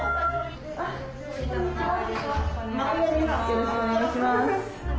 よろしくお願いします。